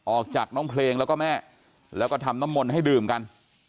ออกจากน้องเพลงแล้วก็แม่แล้วก็ทำน้ำมนต์ให้ดื่มกัน